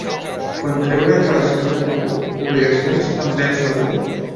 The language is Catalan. Contreure relacions amb algú, obligacions envers algú.